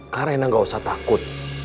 karina gak usah takut